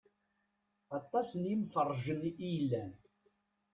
Aṭas n yemferrǧen i yellan.